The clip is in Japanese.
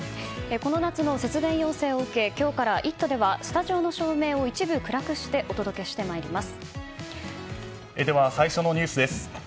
この夏の節電要請を受け今日から「イット！」ではスタジオの照明を一部暗くしてでは最初のニュースです。